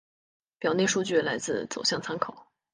表内数据来自走向参考